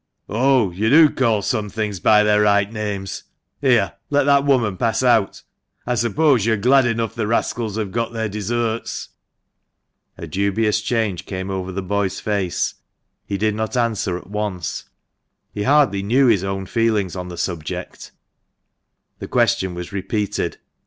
"Oh! you do call some things by their right names (here, let that woman pass out). I suppose you're glad enough the rascals have got their deserts?" A dubious change came over the boy's face. He did not answer at once ; he hardly knew his own feelings on the subject, The question was repeated.